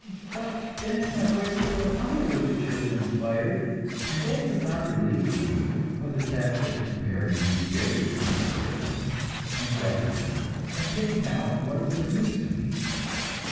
But then, a great deal of other literature is inspired, and that does not relieve me of the task of comparing these various inspirations, and judging them, and picking out what is of use to me.